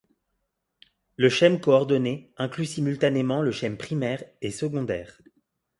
Le schème coordonné inclut simultanément le schème primaire et secondaire.